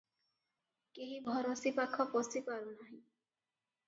କେହି ଭରସି ପାଖ ପଶି ପାରୁନାହିଁ ।